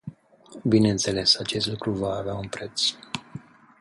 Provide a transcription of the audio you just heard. Bineînțeles, acest lucru va avea un preț.